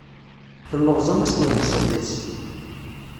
Telleɣẓam-as tweṭzit-is.